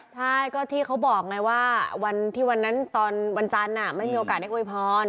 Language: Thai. ใช่ก็ที่เขาบอกไงว่าวันที่วันนั้นตอนวันจันทร์ไม่มีโอกาสได้อวยพร